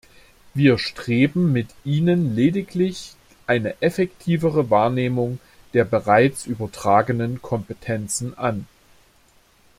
Wir streben mit ihnen lediglich eine effektivere Wahrnehmung der bereits übertragenen Kompetenzen an.